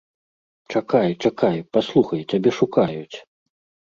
Чакай, чакай, паслухай, цябе шукаюць.